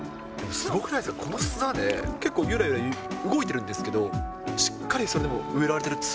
すごくないですか、この砂で、結構ゆらゆら動いてるんですけど、しっかりそれでも植えられてるっ